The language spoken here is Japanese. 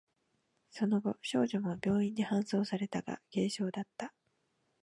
その後、少女も病院に搬送されたが、軽傷だった。